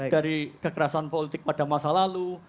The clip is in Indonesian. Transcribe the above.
dari kekerasan politik pada masa lalu